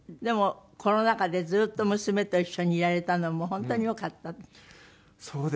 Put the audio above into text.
でもコロナ禍でずっと娘と一緒にいられたのも本当によかったって。